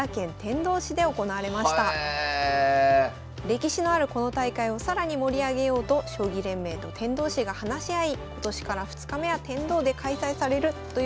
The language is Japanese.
歴史のあるこの大会を更に盛り上げようと将棋連盟と天童市が話し合い今年から２日目は天童で開催されるということになりました。